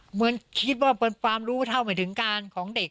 เหมือนคิดว่าเป็นความรู้เท่าไม่ถึงการของเด็ก